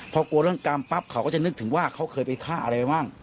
พอกลัวเรื่องกรรมปั๊บเขาก็จะนึกถึงว่าเขาเคยไปฆ่าอะไรไปบ้าง